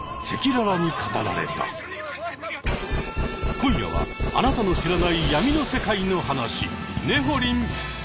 今夜はあなたの知らない闇の世界の話。